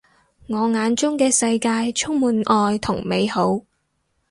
我眼中嘅世界充滿愛同美好